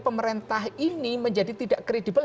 pemerintah ini menjadi tidak kredibel